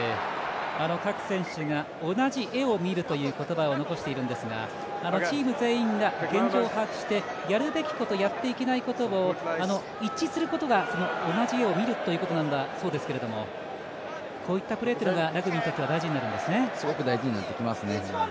各選手が同じ絵を見るという言葉を残しているんですがチーム全員が現状を把握して、やるべきことやってはいけないことを一致することが同じ絵を見るということなんだということなんだそうですけどもこういったプレーというのがラグビーにとってすごく大事になってきます。